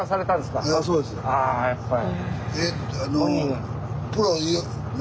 やっぱり。